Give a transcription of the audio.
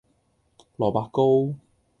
蘿蔔糕